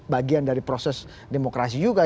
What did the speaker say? bagian dari proses demokrasi juga